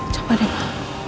cepat ya ma